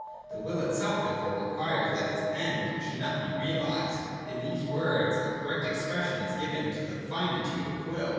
The Will itself therefore requires that its End should not be realised. In these words, a correct expression is given to the finitude of Will.